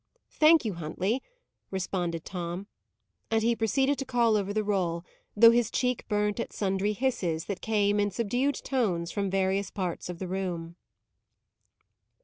"Thank you, Huntley," responded Tom. And he proceeded to call over the roll, though his cheek burnt at sundry hisses that came, in subdued tones, from various parts of the room.